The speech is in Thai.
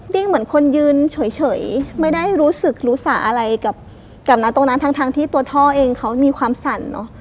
เหมือนคนยืนเฉยไม่ได้รู้สึกรู้สาอะไรกับนะตรงนั้นทั้งที่ตัวท่อเองเขามีความสั่นเนอะ